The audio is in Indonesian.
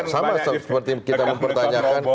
sama seperti kita mempertanyakan